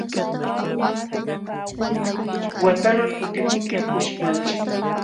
Watanman kutimunkim kushikunanchikpaq.